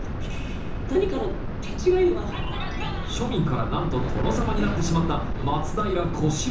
庶民からなんと殿様になってしまった松平小四郎。